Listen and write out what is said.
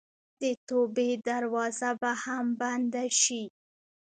د توبې دروازه به هم بنده شي.